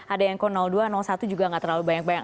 ada yang ke dua satu juga nggak terlalu banyak banyak